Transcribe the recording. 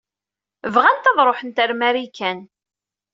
Bɣant ad ṛuḥent ar Marikan.